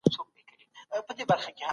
علمي سرچينې په کتابتونونو کي ساتل کېږي.